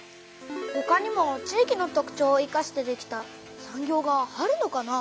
ほかにも地域の特ちょうをいかしてできた産業があるのかな？